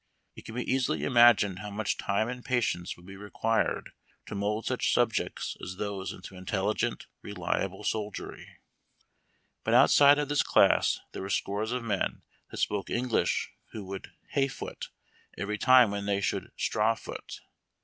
It can DRILLING THE AWIvWAKD SQUAD. be easily imagined how much time and patience would be required to mould such subjects as those into intelligent, reliable soldiery. But outside of this class there were scores of men that spoke English who would " hay foot " every time when they should "• straw foot."